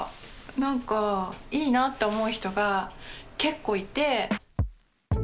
なんかいいなって思う人が結構いて。